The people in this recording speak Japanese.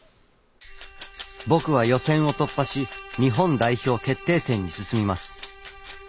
僕は予選を突破し日本代表決定戦に進みます。